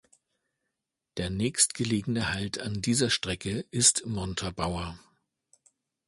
Der nächstgelegene Halt an dieser Strecke ist in Montabaur.